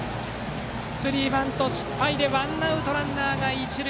スリーバント失敗でワンアウトランナー、一塁。